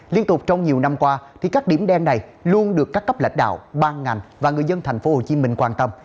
liên tục trong nhiều năm qua thì các điểm đen này luôn được các cấp lãnh đạo ban ngành và người dân tp hcm quan tâm